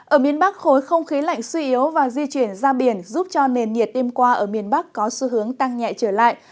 ở miền bắc khối không khí lạnh suy yếu và di chuyển ra biển giúp cho nền nhiệt đêm qua ở miền bắc có xu hướng tăng nhẹ trở lại